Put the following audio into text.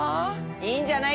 いいんじゃない？